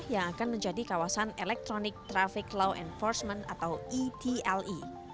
yang akan menjadi kawasan electronic traffic law enforcement atau etle